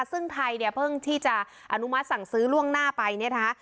ซึ่งไทยเนี่ยเพิ่งที่จะอนุมัติสั่งซื้อล่วงหน้าไปเนี่ยนะคะ